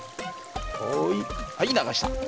はいはい流した。